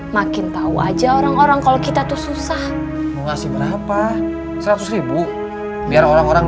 makin tahu aja orang orang kalau kita tuh susah mau kasih berapa seratus ribu biar orang orang